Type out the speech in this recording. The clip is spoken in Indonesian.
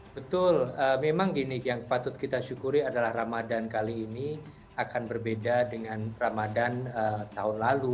betul memang gini yang patut kita syukuri adalah ramadan kali ini akan berbeda dengan ramadan tahun lalu